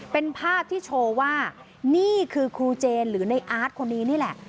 เป็นภาพที่โชว์ว่านี่คือครูเจนหรือในอาร์ตคนนี้นี่แหละ